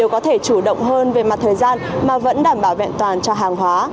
đều có thể chủ động hơn về mặt thời gian mà vẫn đảm bảo vẹn toàn cho hàng hóa